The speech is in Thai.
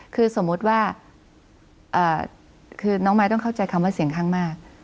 คือสมมุติว่าคือน้องมายต้องเข้าใจคำว่าเสียงข้างมาก